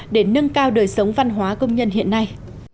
để nâng cao đời sống văn hóa công nhân hiện nay